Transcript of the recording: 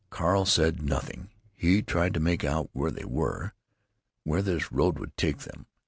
Carl said nothing. He tried to make out where they were—where this road would take them.